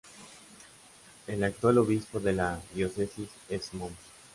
El actual obispo de la Diócesis es Mons.